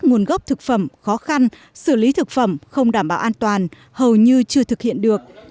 nguồn gốc thực phẩm khó khăn xử lý thực phẩm không đảm bảo an toàn hầu như chưa thực hiện được